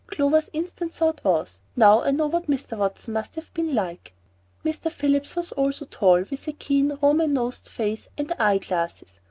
Clover's instant thought was, "Now I know what Mr. Watson must have been like." Mr. Phillips was also tall, with a keen, Roman nosed face, and eye glasses.